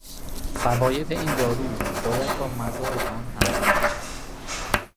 فواید این دارو باید با مضار آن همسنجی شود.